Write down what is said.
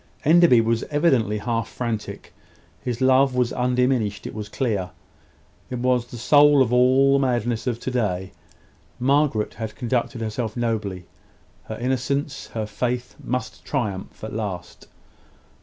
Enderby was evidently half frantic. His love was undiminished, it was clear. It was the soul of all the madness of to day. Margaret had conducted herself nobly. Her innocence, her faith, must triumph at last.